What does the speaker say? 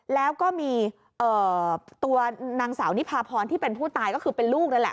แล้วก็มีตัวนางสาวนิพาพรที่เป็นผู้ตายก็คือเป็นลูกนั่นแหละ